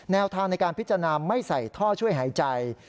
แนวทางในการพิจารณาไม่ใส่ท่อช่วยหายใจ